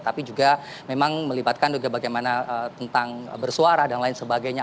tapi juga memang melibatkan juga bagaimana tentang bersuara dan lain sebagainya